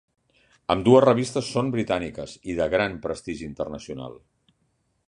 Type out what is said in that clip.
Ambdues revistes són britàniques i de gran prestigi internacional.